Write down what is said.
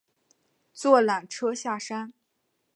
坐缆车下山